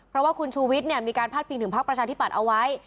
เพราะว่าคุณชูวิทย์เนี่ยมีการพัดเพียงถึงภาคประชาธิบัติเอาไว้